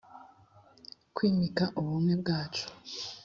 kwimika ubumwe bwacu